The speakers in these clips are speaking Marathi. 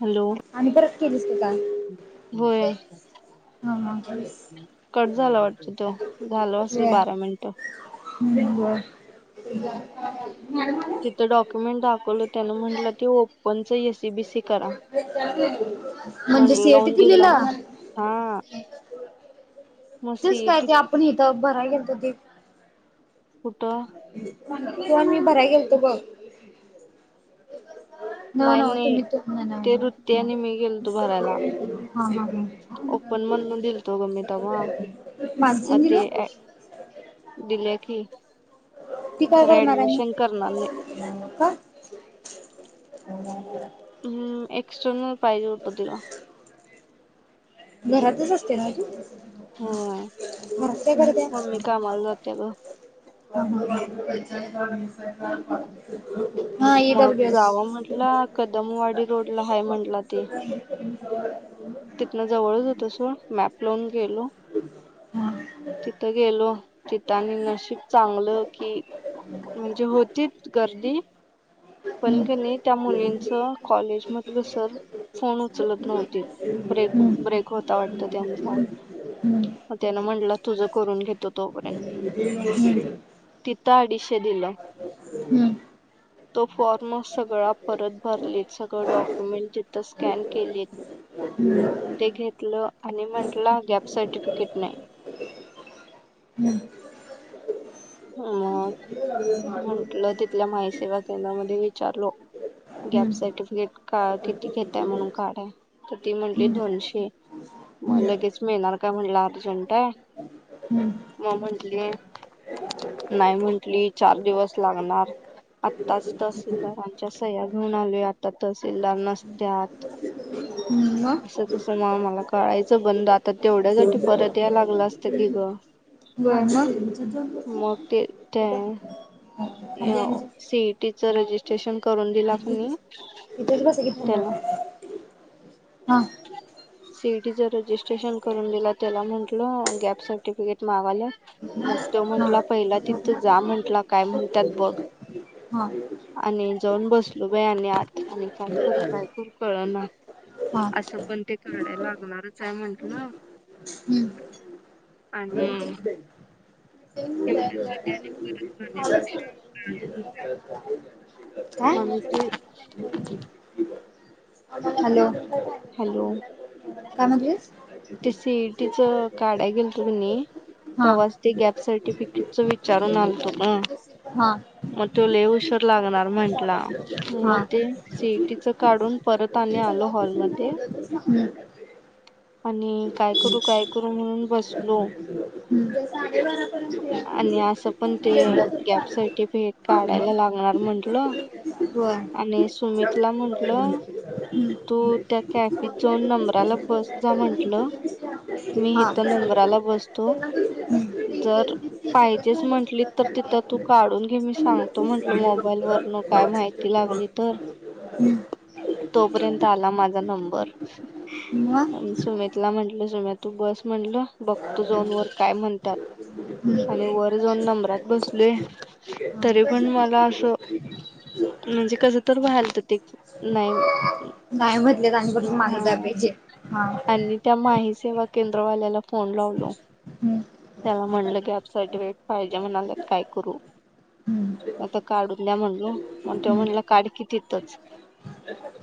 हॅलो आणि परत केलीसते का? होय. हा हा कट झाला वाटत तो झाल असेल बारा मिनट. बिब. तिथं डॉक्युमेंट दाखवलं त्यानं म्हटलं ते पनचं. सीबीसी करा म म्हणजे सीएटी लोन दिला दिलेला? हा. मग तेच काय सीईटी ते आपण इथं बरा घल त ते? फुटं? पण मी बरा गेलतो बघ. [unintelligible] न ना नाही तुम्ही त ते वृत्ती आणि मी ह ह. ओपण म्हणून दिलतो ग मीताव्हा. मानज निला. दिले की? ती काय खरं करणार आहे. ऍडमिशन करणार नाही नाही का. हम्म एक्सटर्नाल प्रज उतधला. घरातच असते ना तू. होय म्या कररते. मम्मी कामाला जाते ग पं सरकार. हा. मग ईडब्ल्यू एस. जावं म्हंटलं कदमवाडी रोड ला ह म्हंटला ते. त. तिथन जवळच होत सोड मॅप लावून गेलो. ह. तिथं गेलो तिथं आणि नशीिब चांगलं कि? म्हणजे होतीच गर्दी. पण क नाही त्या मुलींच कॉलेजमधलं सर. फोन उचलत नव्हती ब्रेक. [unintelligible] होता वाटत त्यांचा, त्यानं [unintelligible] तुजं करून घेतो तोपर्यंत. तिथं अडीचशे दिलं. तो फॉर्म सगळा परत भरलेत सगळं डॉक्युमेंट जिथं स्कॅन केलीत. [unintelligible] ते घेतलं आणि म्हंटलं गॅप सर्टिफिकेट [inaudible] अ म्हटलं तिथल्या माईसेवा केंद्रामध्ये विचारलो. गॅप सर्टिफिकेट का किती घेताय म्हणून काढाय तर ती म्हटली दोनशे. मग लगेच मिळणार काय म्हणलं अर्जंट हे म्या म्हटली. [inaudible] नाही म्हंटली चार दिवस लागणार. आताच तर [unintelligible] च्या सह्या घेऊन आलो आता तहसीलदार नसत्यात. असं तस मग मला कळायचं बंद [unintelligible] तेवढ्यासाठी परत या लागलं असतं की ग. व्हय मग मग [unintelligible] याव सी ई टी चं रजिस्ट्रेशन करून दिला कुणी? इथस बसा की [unintelligible] हां सी ई टी चं रजिस्ट्रेशन करून दिला त्याला म्हंटल गॅप सर्टिफिकेट मागल. मग तो हा म्हंटला पहिला तिथं जा म्हंटला काय म्हणतात बघ. हा [unintelligible] आणी जाऊन बसलो बाई आत आणी काय करू, काय करू कळ ना. हा [unintelligible] काडाय लागणारच आहे म्हंटलं हम्म. आणी [unintelligible] [unintelligible] काय? मम्मीची हॅलो हॅलो, काय म्हणलीस? सी ई टी चं काय? गेल तु की नहीं हा. तेव्हाच ते गॅप सर्टिफिकेटच विचारून आलतो. हां मग तो लय उशीर लागणार म्हटला हा. मग ते सी ई टी चं काढून परत आणी आलो [unintelligible] आणि काय [unintelligible] करू काय करू म्हणून बसलो [unintelligible] आणि असं पण ते गॅप [unintelligible] सर्टिफिकेट काढायला लागणार म्हंटलं [unintelligible] आणि सुमितला [unintelligible] कॅफी झोन नंबराला बस जा म्हंटलं. मी इथ नंबराला बसतो. त्यांना दुसरी दुसरी जर गेली सिटी पण पाहिजेच म्हटली तर तिथं तू काढून घे. मी सांगतो म्हंटल झाली मोबाईल वरून. काय माहिती तिथं लागली तर. [unintelligible] तो पर्यंत आला माझा नंबर. [unintelligible] सुमितला म्हटल सुम्या तू बस म्हटलं बघतो जवून वर काय म्हणतात? आणी वर जाऊन नंबरात बसलूय तरी पण मला असं म्हणजे कसं तर व्हयाला आलं ते नाय नाही म्हटले रांग पासून माग जाया पाहिजे. हां आणि त्या महा ई सेवा केंद्रवाल्याला फोन लावलो, हम्म. त्याला म्हणलं की आप सर्टिफिकेट पाहिजे म्हणाल्यात काय करू? हम्म आता काढून द्या म्हणलो मग त्यो म्हणला काढ कि तीथच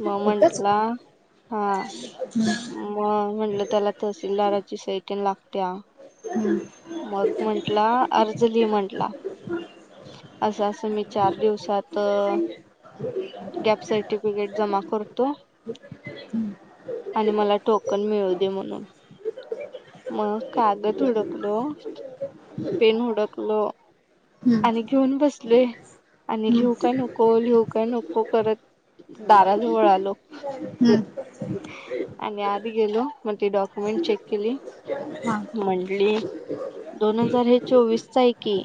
मंग इथंच म्हंटला हा हम्म मग म्हटलं त्याला तहसीलदाराची सई ते लागत्या मग म्हंटला अर्ज ली म्हंटला असं असं मी चार दिवसात गॅप सर्टिफिकेट जमा करतो. आणि मला टोकन मिळू दे म्हणून, मग कागद हुडकलो पेन हुडकलो हम्म आणि घेऊन बसलोय आणि हम्म लिहू काय हम्म नको लिहू काय नको करत दाराजवळ आलो. हम्म आणि आत गेलो मग ती डॉक्युमेंट चेक केली हा म्हंटली दोन हजार हे चोवीसचं आहे की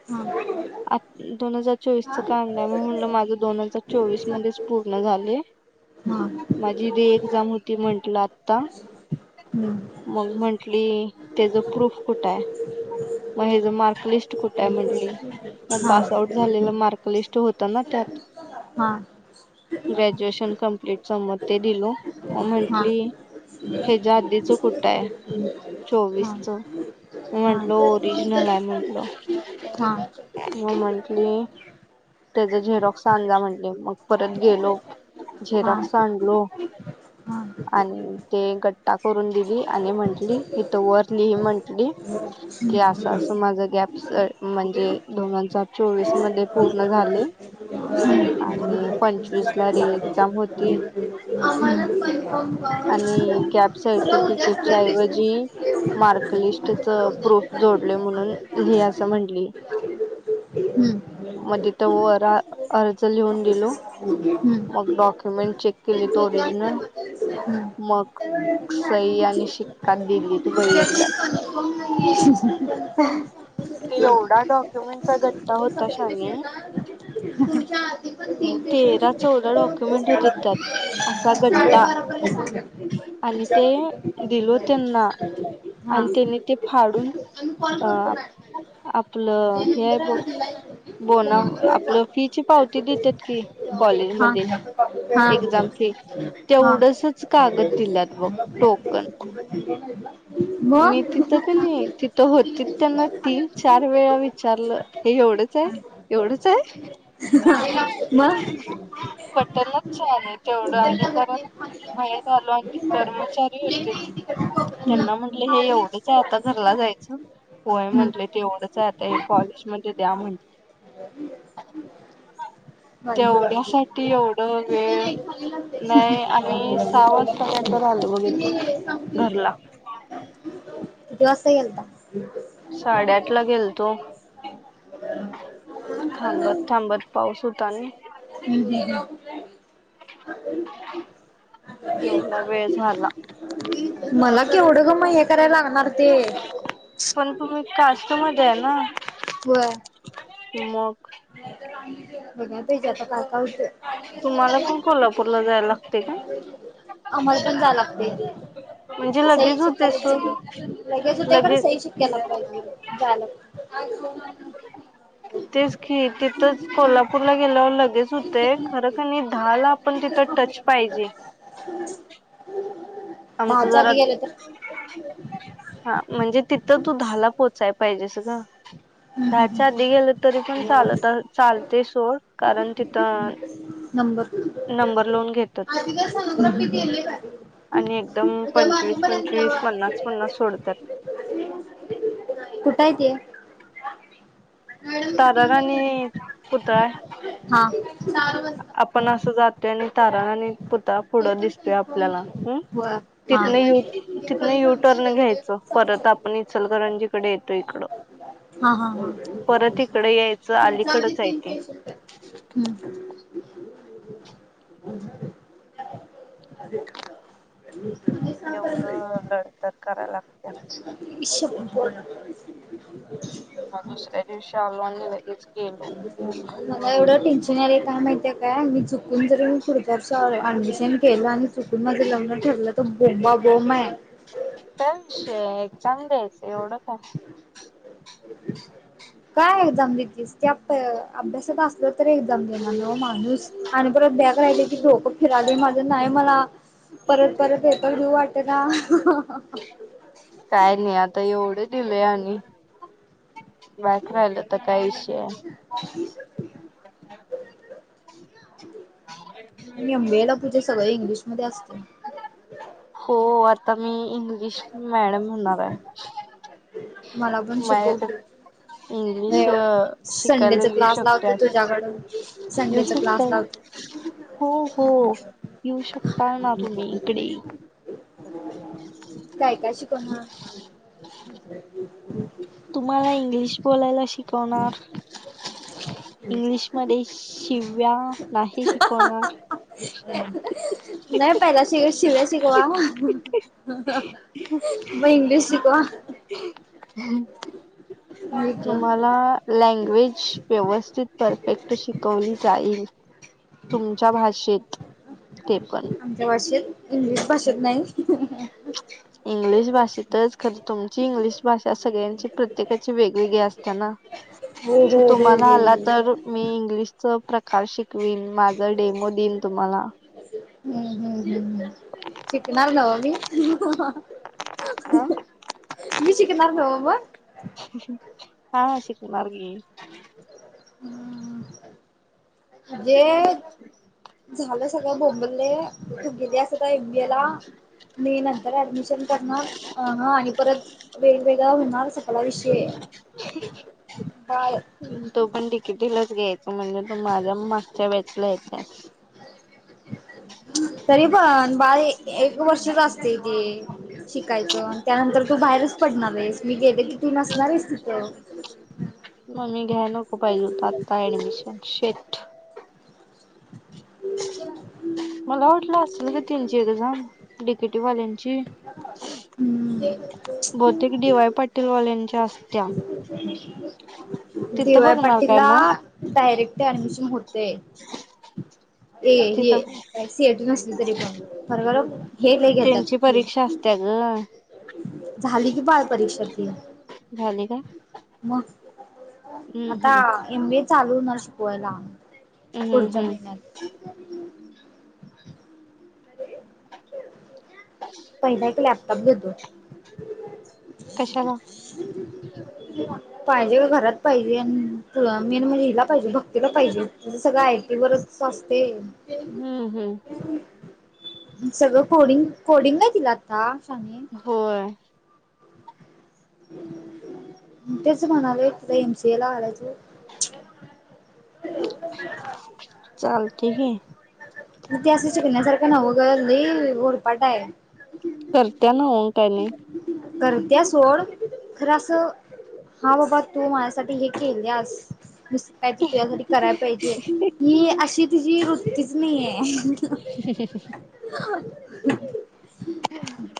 हम [unintelligible] आ दोन हजार चोवीसच का‌ आणलायं मी म्हणलं माझं दोन हजार चोवीस मध्येच पूर्ण झालय. हा हा माझी ती एक्झाम होती म्हंटलं आता हम्म मग म्हंटली त्याच प्रूफ कुठं आहे मग ह्यच मार्कलिस्ट कुठ आहे म्हटली मग हा पास आउट झालेलं मार्कलिस्ट हो त ना त्यात हा हा ग्रॅज्युएशन कंम्प्लीटचं मंग ते दिलो मग हा म्हंटली हच्या आधीच कुठ आहे चोवीसच मंग हा हा म्हंटलो ओरिजनल आहे म्हंटल हा हा म म्हंटली त्याचा झेरॉक्स आणजा म्हणले मग परत गेलो झेरॉक्स आणलो हा आणि ते गट्टा करून दिली आणि म्हंटली इथं वर लिहि म्हंटली ह [unintelligible] की असं असं माझ गॅप म्हणजे दोन हजार चोवीस मध्ये पूर्ण झालय ला री [inaudible] एक्झाम होती [inaudible] आणि गॅप मला उद्या सर्टिफिकेटच्या सगळ्या पेशंट ऐवजी सांगितले मार्कलिस्ट च तुम्हाला प्रूफ उद्याच जोडलय म्हणून लि असं म्हटली हम्म मंग तिथं वर अर्ज लिहून दिलो ह हम् [unintelligible] मग डॉक्युमेंट चेक केली त ओरिजिनल म मग सई आणि शिक्का दिली तू बाई एकदाशी [inaudible] ते एवढा डॉक्युमेंटचा गट्टा होता शाने [inaudible] तच्या पण ते तेरा चौदा डॉक्युमेंट होते त्यात असा गट्टा [inaudible] आणि ते दिलो सांगा. त्यांना आणि हा त्यांनी ते फाडून आम्ही कॉल अ करतो मॅडमला. आपलं त्या हे आहे बघ नंबर दिलाय त्या बोन नंबरवर कॉल आपलं फीची पावती करतो. देतात की हा कॉलेज हा मध्ये हा एक्झाम फी तेवढंसच कागद दिल्यात बघ टोक पण मी तिथं का नाही त ते होतीच त्यांना तीन चार वेळा विचारलं हे एवढंच आहे एवढंच आहे. - [inaudible] मग पटनच झालय तेवढं कुठे आणि लागत नाही परत खाली. बाहेर आलो आणि ख कर्मचारी प्लेन होतीत आहे तिकडं कोपऱ्याला त्यांना म्हटले हे खाली एवढेच आहे आता घरला जायचं होय हम्म म्हटले तेवढंच आता हे कॉलेजमध्येध् द्या म्हणटलं [inaudible] [unintelligible] तेवढ्यासाठी एवढं वेळ नाही आम्ही सहा वाजता काहीतर आलो बघ इथं सांगते घरला किती वाजता गेलत्या साडेआठ ला गेलतो [unintelligible] थांबत थांबत पाऊस होता न हम्म हम्म येवढा वेळ झाला मला केवढं ग मग हे करायला लागणार ते पण तुम्ही कास्ट मध्ये आहे ना होय मग नाही तर आम्ही [unintelligible] तिथे आता काका होते तुम्हाला पण कोल्हापूरला जायला लागते का आम्हाला पण जा लागते म्हणजे सही लगेच शिक्क्का होते सोड लगेच घायला [unintelligible] गेल पाहिजे तेच की तिथंच कोल्हापूरला गेल्यावर लगेच होतेय खरं कणी दहा ला पण तिथं टच पाहिजे आमचं दहाच्या जरा आधी गेलं तर हा म्हणजे तिथं तू दहाला पोहोचायला पोहचाय पाहिजे ग दहाच्या आधी गेलं तरी पण चालत चालते सोड कारण तिथं [unintelligible] नंबर नंबर लावून घेतात आणि एकदम उद्या पंचवीस बारापर्यंत पंचवीस पन्नास पन्नास सोडतात कुठंय ते मॅडम मिटिंगला ताराराणी गेले पुतळा आहे हा आपण वाजता. असं जातो आणि ताराराणी ते पुतळा पण दिसतोय कन्फर्म आपल्याला नाही. ह हो हा. तिथन ते तिथन कधी संपेल युटर्न त्याच घ्यायचं काही सांगू शकत परत नाही. आपण इचलकरंजीकडे येतो इकडं हा हा परत इकडे यायचं तुमच्या आधी अलीकडच आहे तीन ते पेशंट आहे [unintelligible] एवढं लढतर करायला लागत्या [unintelligible] विश [unintelligible] दुसऱ्या दिवशी आला आणि लगेच गेला मला एवढं टेन्शन आलंय का माहिती आहे का मी चुकून जरन पुुढच्या वर्षी आले अडमीशन केलं आणि चुकून माझ लग्न ठरलं तर बोंबा बोंब आहे त्या एक्झाम द्यायच एवढं का काय एक्जाम बतीस त्या अभ्यासात असत एक्झाम देणार माणूस आणि परत बॅक राहिले की बोंब माझ नाही मला परत परत हे तर घेऊ वाट ना काय नाही आता एवढं दिले आणि बॅक राहील तर काय विषय आहे [unintelligible] ह [unintelligible] मबेला पूजे सगळं इंग्लिशमध्ये असतंय हो आता मी इंग्लिश मॅडम हुणाराय मला पण शिकव की इंग्लिश शिकायला संडेचा येऊ क्लास लावते शकते असं तुझ्याकडे येऊ संडेचा क्लास शकताय लावते हो हो येऊ शकता ना तुम्ही इकडे बर काय काय शिकवनार तुम्हाला इंग्लिश बोलायला शिकवणार इंग्लिशमध्ये शिव्या नाही शिकवणार नाय पहिला शि -शि-शिव्या शिकवा. [unintelligible] म इंग्लिश शिकवा. आमच्या तुम्हाला लँग्वेज व्यवस [unintelligible] परफेक्ट शिकवली जाईल. तुमच्या भाषेत ते पण. आमच्या भाषेत इंग्लिश भाषेत नाई. [inaudible] इंग्लिश भाषेतच खरं तुमची इंग्लिश भाषा सगळ्यांची प्रत्येकाची वेगवेगळी असत्या ना. हो थु हो हो तुम्हाला आला हो तर मी इंग्लिशच प्रकार शिकवीन माझं डेमो देईन तुम्हाला. हम्म हम्म हम्म हम्म शिकणार नव मी. अ. मी शिकणार न्हव मंग. हा शिकणार की. म्हणजे झालं सगळं बोंबले गेली असं [unintelligible] मी नंतर ऍडमिशन करणार अह आणि परत वेगवेगळं हुनार सग कला विषय. बाळ तो पण डी के टी लाच घे म्हणजे तो माझ्या मागच्या बॅचला येताये. तरी पण [unintelligible] एक वर्षीच असतय ते. शिकायचं अन त्यानंतर तू बाहेरचं पडणारयेस मी गेले कि तू नसणारयेस तिथं. म मी घ्याय नको पाहिजे होत आत्ता ऍडमिशन शिट्ट. मला वाटलं असलं की तीनशे डझन डी के टी वाल्यान ची हम्म बहुतेक डी वाय पाटील वाल्यांची असत्या. डी तिथं वाय बघणार पाटील काय ला मग डायरेक्ट ऍडमिशन होतय हे हे तिथं काय सी आय टी नसली तरी पण. [unintelligible] त्यांची परीक्षा घेतात असत्या ग. झाली की बाळ परीक्षा ती. झाली का मग हम्म आता हम्म एम बी ए चालू हुणार शिकवायला हम्म पुढच्या हम्म महिन्यात पहिला एक लॅपटॉप घेतो. [inaudible] कशाला पाहिजेल घरात पाहिजे अन तु मेन म्हणजे हिला पाहिजे भक्तीला पाहिजे तुझं सगळं आय टी वरच असते. हम्म हम्म. सगळं कोडिंग कोडिंग नई तिला आता शाने. होय. ते च म्हणालोय तिय एम सी ए ला घालायचं. चालते की. इतिहासाच शिकण्यासारखं नाव्ह लय उरपाट आहे. करत्या ना हो काय नाही. करत्या सोड खरं असं हा बाबा तू माझ्यासाठी हे केल्यास नुसतं काहीतरी तुझ्यासाठी कराय पाहिजे हीअशी तिची वृत्तीच नाहीये. [inaudible] [inaudible]